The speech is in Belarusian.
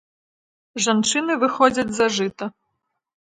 Жанчыны выходзяць за жыта.